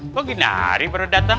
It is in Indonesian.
kok gini hari baru dateng